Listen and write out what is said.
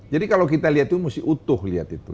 jadi kalau kita lihat itu mesti utuh lihat itu